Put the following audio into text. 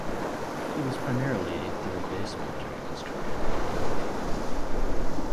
He was primarily a third baseman during his career.